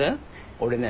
俺ね